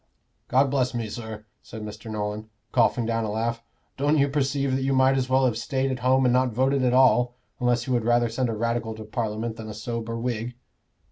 "God bless me, sir," said Mr. Nolan, coughing down a laugh, "don't you perceive that you might as well have stayed at home and not voted at all, unless you would rather send a Radical to Parliament than a sober Whig?"